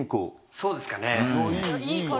そうですかね。